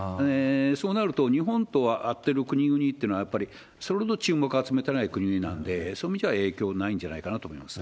そうなると、日本と合ってる国々というのは、それほど注目集めてない国なんで、それじゃあ影響ないんじゃないかと思いますね。